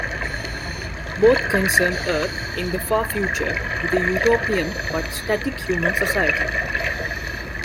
Both concern Earth in the far future, with a utopian but static human society.